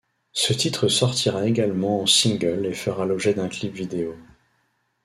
Ce titre sortira également en single et fera l'objet d'un clip vidéo.